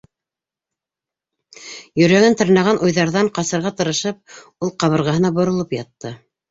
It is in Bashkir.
- Йөрәген тырнаған уйҙарҙан ҡасырға тырышып, ул ҡабырғаһына боролоп ятты.